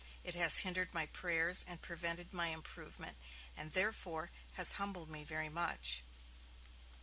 It has hindered my prayers and prevented my improvement, and therefore, has humbled me very much.'